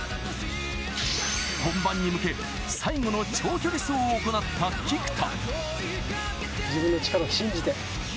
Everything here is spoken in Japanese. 本番に向け最後の長距離走を行った菊田。